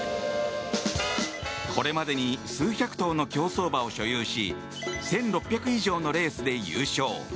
これまでに数百頭の競走馬を所有し１６００以上のレースで優勝。